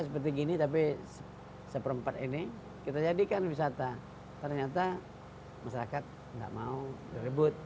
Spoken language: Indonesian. seperti gini tapi seperempat ini kita jadikan wisata ternyata masyarakat nggak mau ribut